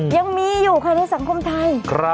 ยังมีอยู่ค่ะในสังคมไทย